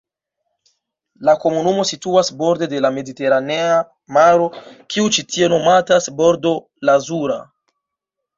La komunumo situas borde de la Mediteranea Maro, kiu ĉi tie nomatas Bordo Lazura.